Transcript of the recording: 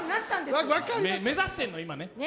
目指してんの、今ね。